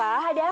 aku akan menang